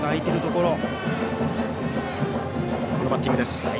このバッティングです。